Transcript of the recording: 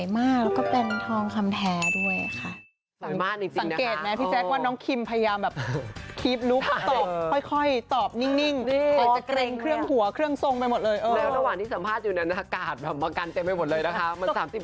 มักกันเต็มให้หมดเลยนะคะมันสามสิบล้านต้องเขากลัวเธอไงนักการี